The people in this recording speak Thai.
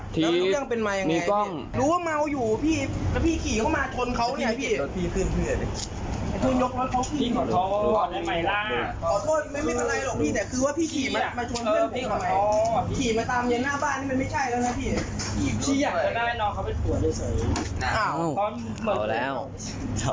ไม่ใช่ไม่ได้ของคนกับหนองเลย